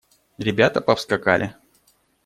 Ребята повскакали.